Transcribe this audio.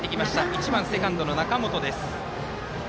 １番セカンドの中本。